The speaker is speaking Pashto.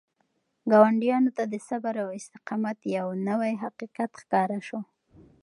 ګاونډیانو ته د صبر او استقامت یو نوی حقیقت ښکاره شو.